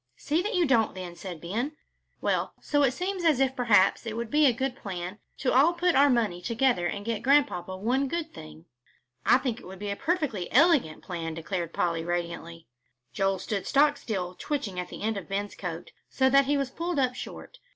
"See that you don't, then," said Ben. "Well, so it seems as if perhaps it would be a good plan to all put our money together and get Grandpapa one good thing." "I think it would be a perfectly elegant plan," declared Polly, radiantly. Joel stood stock still twitching the end of Ben's coat, so that he was pulled up short.